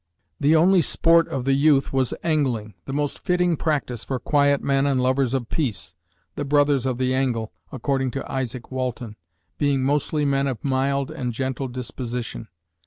The only "sport" of the youth was angling, "the most fitting practice for quiet men and lovers of peace," the "Brothers of the Angle," according to Izaak Walton, "being mostly men of mild and gentle disposition."